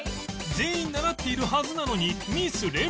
全員習っているはずなのにミス連発！